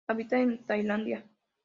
Habita en Tailandia.